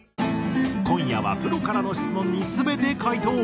今夜はプロからの質問に全て回答。